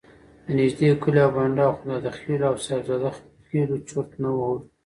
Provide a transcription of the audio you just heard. د نږدې کلیو او بانډو اخندزاده خېلو او صاحب زاده خېلو چرت نه وهلو.